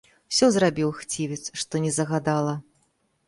Усё зрабіў хцівец, што ні загадала.